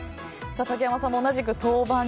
竹山さんも同じく豆板醤。